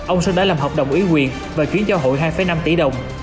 ông sơn đã làm hợp đồng ủy quyền và chuyển cho hội hai năm tỷ đồng